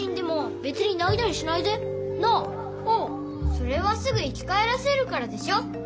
それはすぐ生きかえらせるからでしょ？